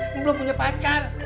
mulu punya pacar